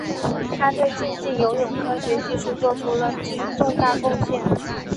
他对竞技游泳科学技术做出了重大贡献。